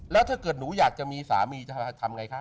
แล้วถ้าเกิดหนูอยากจะมีสามีจะทำไงคะ